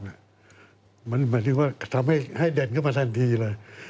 หมายถึงว่าทำให้เด่นขึ้นมาทันทีเลย